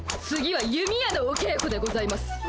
次は弓矢のおけいこでございます。